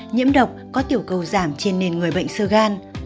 nhiễm độc có tiểu cầu giảm trên nền người bệnh sơ gan